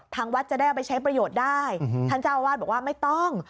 วัดจะได้เอาไปใช้ประโยชน์ได้ท่านเจ้าอาวาสบอกว่าไม่ต้อง